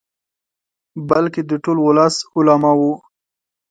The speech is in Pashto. بلکې د ټول ولس، علماؤ.